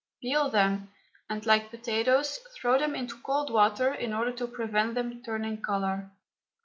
Peel them, and, like potatoes, throw them into cold water in order to prevent them turning colour.